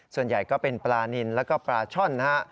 ส่วนใหญ่ก็เป็นปลานินแล้วก็ปลาช่อนนะฮะ